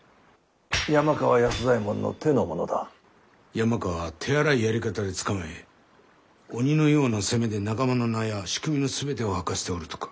山川は手荒いやり方で捕まえ鬼のような責めで仲間の名やしくみの全てを吐かせておるとか。